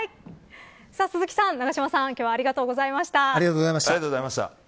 鈴木さん、永島さん、今日はありがとうございました。